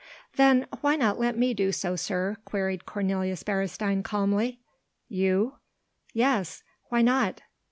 "Then why not let me do so, sir?" queried Cornelius Beresteyn calmly. "You?" "Yes. Why not?"